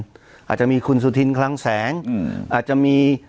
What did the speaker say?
อาจจะมีคุณสุธินคลังแสงอาจจะมี